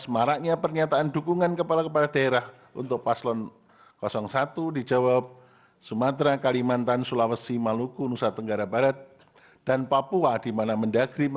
maraknya pernyataan dukungan kepala kepala daerah untuk paslon satu di jawa sumatera kalimantan sulawesi maluku nusa tenggara barat dan papua